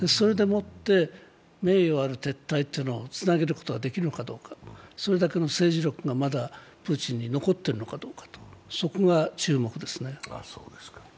それでもって名誉ある撤退につなげることができるかどうか、それだけの政治力がまだプーチンに残ってるのかどうか、そこが注目ですね。